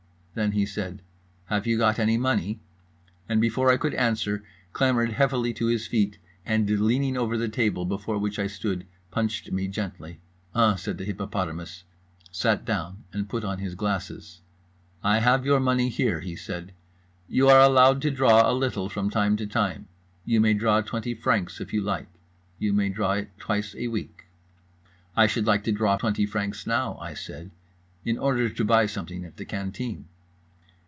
Then he said "Have you got any money?" and before I could answer clambered heavily to his feet and, leaning over the table before which I stood, punched me gently. "Uh," said the hippopotamus, sat down, and put on his glasses. "I have your money here," he said. "You are allowed to draw a little from time to time. You may draw 20 francs, if you like. You may draw it twice a week." "I should like to draw 20 francs now" I said, "in order to buy something at the canteen."